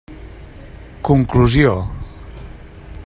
Conclusió.